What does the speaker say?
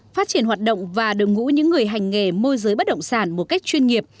phát triển hoạt động và đội ngũ những người hành nghề môi giới bất động sản một cách chuyên nghiệp